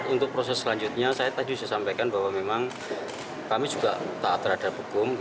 untuk proses selanjutnya saya tadi sudah sampaikan bahwa memang kami juga taat terhadap hukum